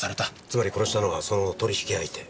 つまり殺したのはその取り引き相手。